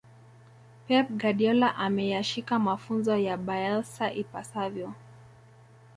pep guardiola ameyashika mafunzo ya bielsa ipasavyo